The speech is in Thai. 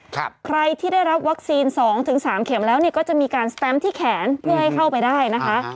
ใครที่ได้รับวัคซีนสองถึงสามเข็มแล้วเนี่ยก็จะมีการสแตมป์ที่แขนเพื่อให้เข้าไปได้นะคะ